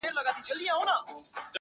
خو تر ډېره چي یې آزاد شعر لولو